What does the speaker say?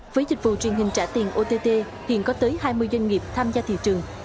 với dịch vụ truyền hình trả tiền ott hiện có tới hai mươi doanh nghiệp tham gia thị trường